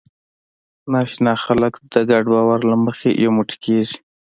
ناآشنا خلک د ګډ باور له مخې یو موټی کېږي.